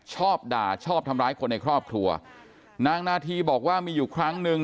ชอบด่าชอบทำร้ายคนในครอบครัวนางนาธีบอกว่ามีอยู่ครั้งหนึ่ง